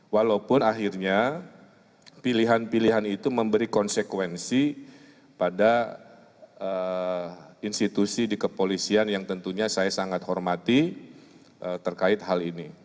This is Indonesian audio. walaupun akhirnya pilihan pilihan itu memberi konsekuensi pada institusi di kepolisian yang tentunya saya sangat hormati terkait hal ini